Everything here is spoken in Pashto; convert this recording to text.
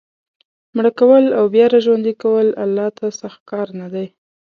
مړه کول او بیا را ژوندي کول الله ته سخت کار نه دی.